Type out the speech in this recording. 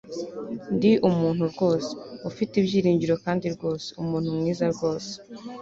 ndi umuntu rwose, ufite ibyiringiro kandi rwose, umuntu mwiza rwose